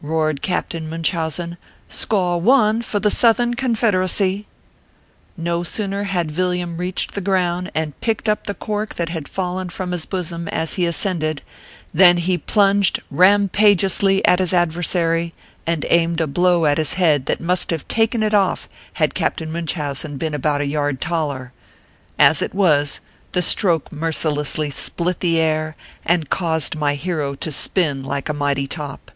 roared Captain Munchausen, "score one for the Southern Confederacy \" No sooner had Villiam reached the ground and picked up the cork that had fallen from his bosom as he ascended, than he plunged rampagiously at his ad versary, and aimed a blow at his head that must have taken it off had Captain Munchausen been about a yard taller. As it was, the stroke mercilessly split the air, and caused my hero to spin like a mighty top.